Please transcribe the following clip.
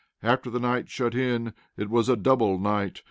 After the night shut in, it was a double night.